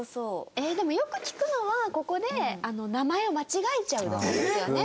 でもよく聞くのはここで名前を間違えちゃうとかですよね。